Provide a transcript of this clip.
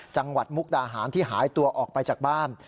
มุกดาหารที่หายตัวออกไปจากบ้าน